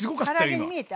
から揚げに見えた？